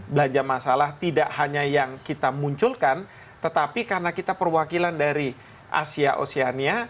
belanja masalah tidak hanya yang kita munculkan tetapi karena kita perwakilan dari asia oceania